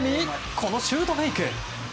このシュートフェイク。